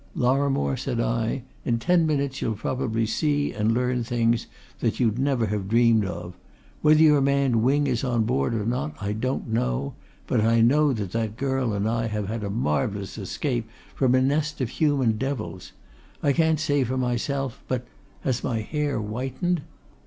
"Lorrimore," said I, "in ten minutes you'll probably see and learn things that you'd never have dreamed of. Whether your man Wing is on board or not I don't know but I know that that girl and I have had a marvellous escape from a nest of human devils! I can't say for myself, but has my hair whitened?"